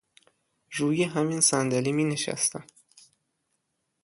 روی همین صندلی می نشستم.